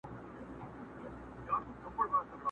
په کیسو ستړی کړې!.